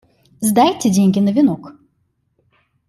Сдайте деньги на венок.